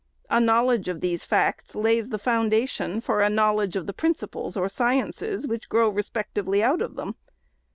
A knowledge of these facts lays the foundation for a knowledge of the principles or sciences which respectively grow out of them.